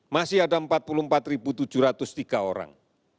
masih ada empat puluh empat tujuh ratus tiga orang